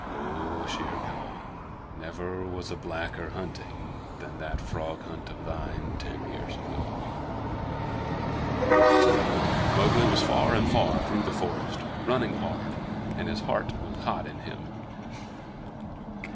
"Oh, Shere Khan, never was a blacker hunting than that frog hunt of thine ten years ago!" Mowgli was far and far through the forest, running hard, and his heart was hot in him.